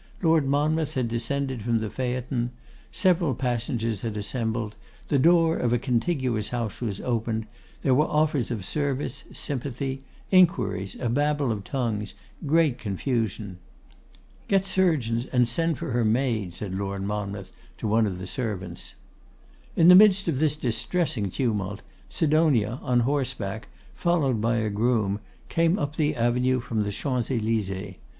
Lord Monmouth had descended from the phaeton; several passengers had assembled; the door of a contiguous house was opened; there were offers of service, sympathy, inquiries, a babble of tongues, great confusion. 'Get surgeons and send for her maid,' said Lord Monmouth to one of his servants. In the midst of this distressing tumult, Sidonia, on horseback, followed by a groom, came up the avenue from the Champs Elysées.